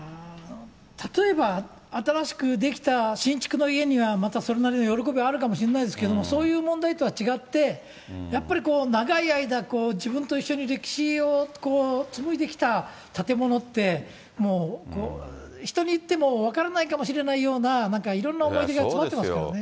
例えば、新しく出来た新築の家には、またそれなりの喜びがあるかもしれないですけど、そういう問題とは違って、やっぱりこう、長い間、自分と一緒に歴史を紡いできた建物って、もう、人に言っても分からないかもしれないような、なんかいろんな思い出が詰まってますからね。